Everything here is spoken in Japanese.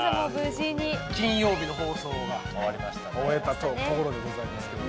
金曜日の放送を終えたところでございますけど。